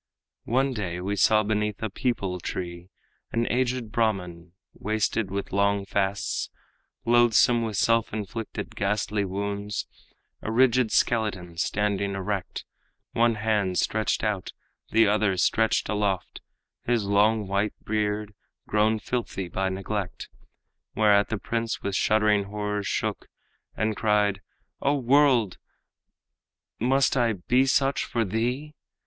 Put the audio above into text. One day we saw beneath a peepul tree An aged Brahman, wasted with long fasts, Loathsome with self inflicted ghastly wounds, A rigid skeleton, standing erect, One hand stretched out, the other stretched aloft, His long white beard grown filthy by neglect. Whereat the prince with shuddering horror shook, And cried, 'O world! must I be such for thee?'